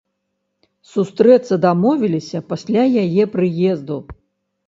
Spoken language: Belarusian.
Сустрэцца дамовіліся пасля яе прыезду.